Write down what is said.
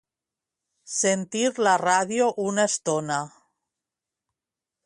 Sentir la ràdio una estona.